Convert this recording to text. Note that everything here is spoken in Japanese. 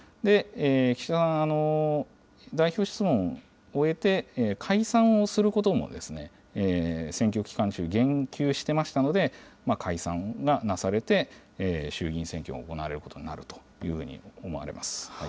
岸田さん、代表質問を終えて、解散をすることも選挙期間中、言及してましたので、解散がなされて、衆議院選挙が行われることになるというふうに思われます。